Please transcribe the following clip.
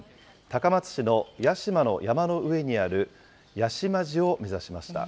高松市の屋島の山の上にある、屋島寺を目指しました。